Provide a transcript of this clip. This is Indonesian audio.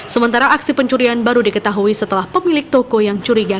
sementara aksi pencurian baru diketahui setelah pemilik toko yang curiga